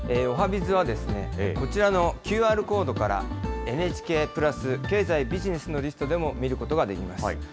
おはＢｉｚは、こちらのＱＲコードから、ＮＨＫプラス、経済・ビジネスのリストでも見ることができます。